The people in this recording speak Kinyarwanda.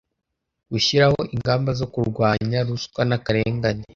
Gushyiraho ingamba zo kurwanya ruswa n’ akarengane